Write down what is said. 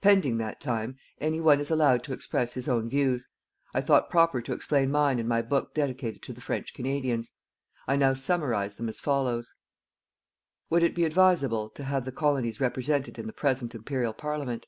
Pending that time, any one is allowed to express his own views. I thought proper to explain mine in my book dedicated to the French Canadians. I now summarize them as follows: Would it be advisable to have the Colonies represented in the present Imperial Parliament?